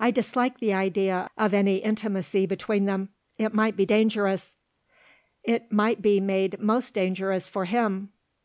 "I dislike the idea of any intimacy between them; it might be dangerous." "It might be made most dangerous for him."